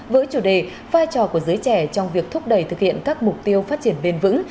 với chủ đề vai trò của giới trẻ trong việc thúc đẩy thực hiện các mục tiêu phát triển bền vững